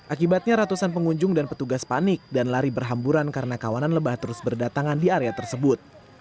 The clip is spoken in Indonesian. akibatnya ratusan pengunjung dan petugas panik dan lari berhamburan karena kawanan lebah terus berdatangan di area tersebut